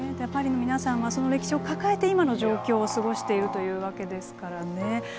パリの皆さんはその歴史を抱えて今の状況を過ごしているということですからね。